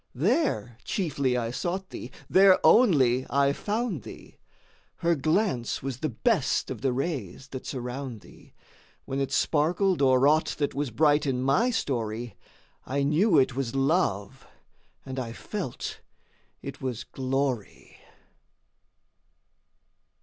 4. There chiefly I sought thee, there only I found thee; Her Glance was the best of the rays that surround thee, When it sparkled o'er aught that was bright in my story, I knew it was Love, and I felt it was Glory.